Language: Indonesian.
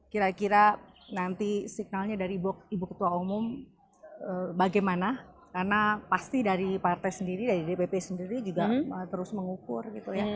kira kira nanti signalnya dari ibu ketua umum bagaimana karena pasti dari partai sendiri dari dpp sendiri juga terus mengukur gitu ya